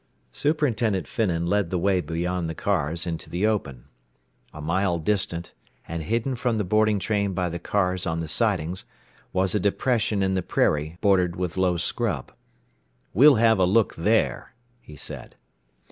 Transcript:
Superintendent Finnan led the way beyond the cars into the open. A mile distant, and hidden from the boarding train by the cars on the sidings, was a depression in the prairie bordered with low scrub. "We'll have a look there," he said.